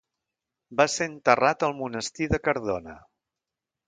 Va ser enterrat al monestir de Cardona.